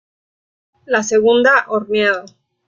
La segunda horneado.